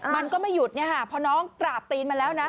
มันก็ไม่หยุดพอน้องกราบตีนมาแล้วนะ